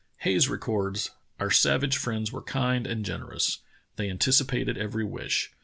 Hayes records: *'Our savage friends were kind and generous. They anticipated every wish.